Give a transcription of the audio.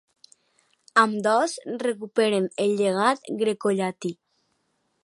Ambdós recuperen el llegat grecollatí.